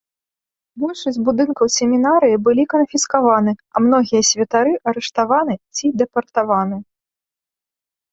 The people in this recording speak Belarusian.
Большасць будынкаў семінарыі былі канфіскаваны, а многія святары арыштаваны ці дэпартаваны.